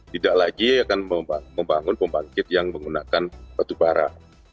tidak lagi akan membangun pembangkit yang menggunakan batu bara